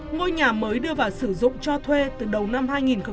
ngôi nhà mới đưa vào sử dụng cho thuê từ đầu năm hai nghìn hai mươi bốn